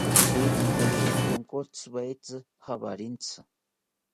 Victori ronkotziwetzi jawarintzi